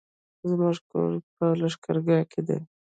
زموږ کور په لښکرګاه کی دی